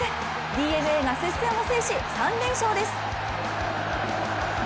ＤｅＮＡが接戦を制し３連勝です。